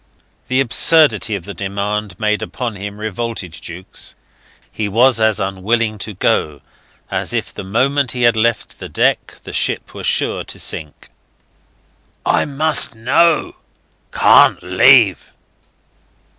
The absurdity of the demand made upon him revolted Jukes. He was as unwilling to go as if the moment he had left the deck the ship were sure to sink. "I must know ... can't leave.